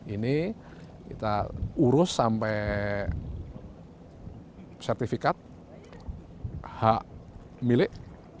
ini kita urus sampai sertifikat hak milik